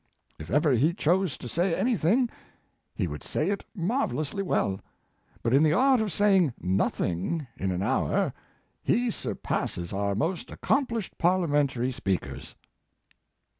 If ever he chose to say anything, he would say it marvelously well; but in the art of saying nothing in an hour, he surpasses our most accomplished parliamentary speakers."